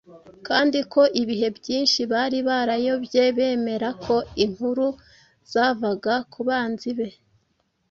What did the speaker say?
kandi ko ibihe byinshi bari barayobye bemera ko inkuru zavaga ku banzi be